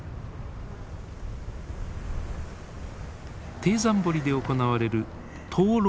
貞山堀で行われる灯籠流し。